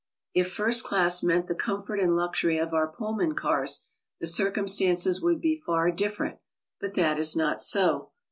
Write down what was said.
If first class meant the comfort and luxury of our Pull man cars, the circumstances would be far different, but that is not so.